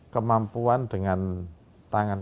kemampuan dengan tangan